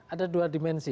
ada dua dimensi